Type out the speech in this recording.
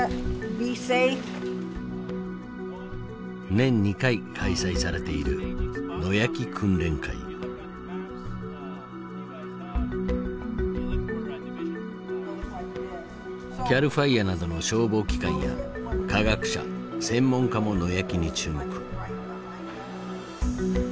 年２回開催されているＣＡＬＦＩＲＥなどの消防機関や科学者専門家も野焼きに注目。